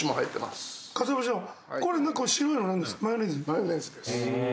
マヨネーズです。